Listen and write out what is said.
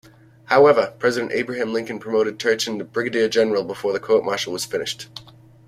However, President Abraham Lincoln promoted Turchin to brigadier general before the court-martial was finished.